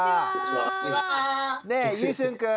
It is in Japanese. ゆうしゅんくん。